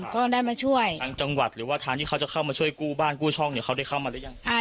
ก็ได้มาช่วยทางจังหวัดหรือว่าทางที่เขาจะเข้ามาช่วยกู้บ้านกู้ช่องเนี่ยเขาได้เข้ามาหรือยัง